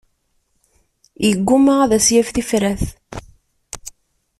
Yesguma ad s-yaf tifrat.